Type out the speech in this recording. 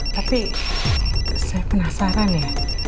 tapi saya penasaran ya